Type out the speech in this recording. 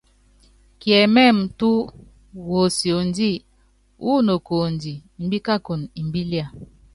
Kiɛmɛ́ɛmɛ túú, wosiondi, wúnokuondi, imbíkakunɔ, imbilia.